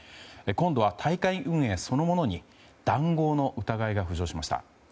今度は大会運営そのものに談合の疑いが浮上しました。